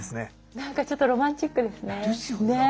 なんかちょっとロマンチックですね。ですよね。